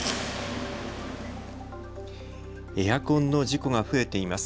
エアコンの事故が増えています。